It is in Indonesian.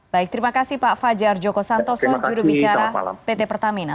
baik terima kasih pak fajar joko santoso jurubicara pt pertamina